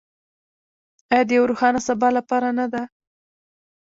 آیا د یو روښانه سبا لپاره نه ده؟